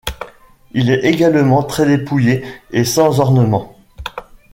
Il est également très dépouillé et sans ornement.